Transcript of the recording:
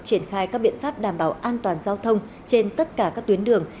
triển khai các biện pháp đảm bảo an toàn giao thông trên tất cả các tuyến đường